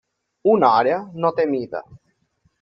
Una hora no té mida.